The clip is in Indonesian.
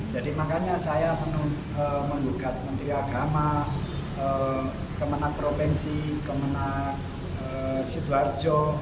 jadi makanya saya mengugat menteri agama kemenang provinsi kemenang sidoarjo